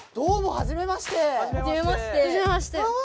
はじめまして。